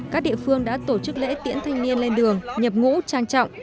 các địa phương đã tổ chức lễ tiễn thanh niên lên đường nhập ngũ trang trọng